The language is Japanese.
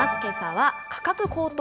けさは、価格高騰！